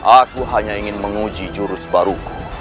aku hanya ingin menguji jurus baruku